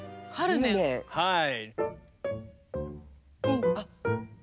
はい。